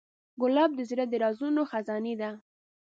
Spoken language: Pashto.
ګلاب د زړه د رازونو خزانې ده.